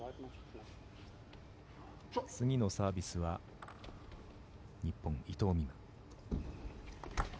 次のサービスは日本、伊藤美誠。